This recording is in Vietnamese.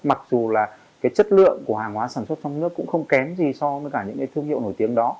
mặc dù là cái chất lượng của hàng hóa sản xuất trong nước cũng không kém gì so với cả những cái thương hiệu nổi tiếng đó